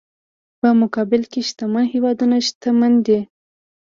په مقابل کې شتمن هېوادونه شتمن دي.